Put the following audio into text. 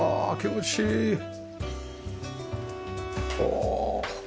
おお！